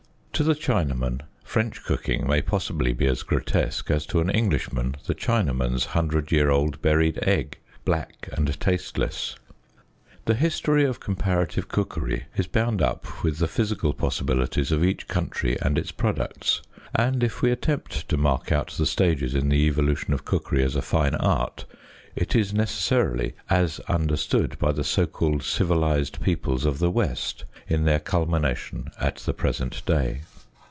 To the Chinaman French cooking may possibly be as grotesque as to an Englishman the Chinaman's hundred year old buried egg, black and tasteless. The history of com parative cookery is bound up with the physical possibilities of each country and its products; and if we attempt to mark out stages in the evolution of cookery as a fine art, it is necessarily as understood by the so called civilized peoples of the West in their culmination at the present day.